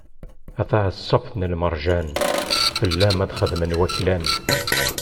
A taɛeṣṣabt n lmerjan, fell-am ad xedmen waklan.